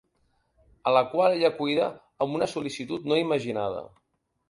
A la qual ella cuida amb una sol·licitud no imaginada.